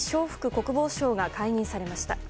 国防相が解任されました。